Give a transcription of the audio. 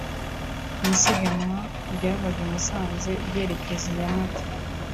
Mu isiganwa ryavaga i Musanze ryerekeza i Nyamata